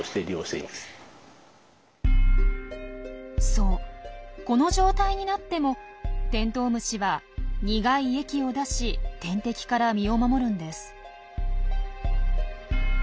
そうこの状態になってもテントウムシは苦い液を出し天敵から身を守るんです。